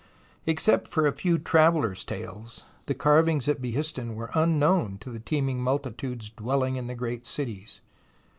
Except for a few travellers' tales, the carvings at Behistun were unknown to the teeming multitudes dwelling in the great cities.